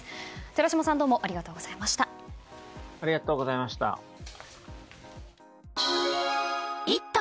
寺嶋さんどうもありがとうございました。